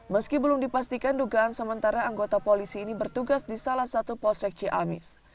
meski belum dipastikan dugaan sementara anggota polisi ini bertugas di salah satu posek ciamis